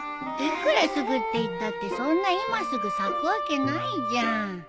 いくらすぐって言ったってそんな今すぐ咲くわけないじゃん。